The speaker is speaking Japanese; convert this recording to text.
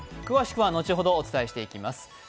詳しくは後ほど、お伝えしていきます。